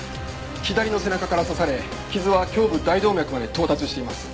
左の背中から刺され傷は胸部大動脈まで到達しています。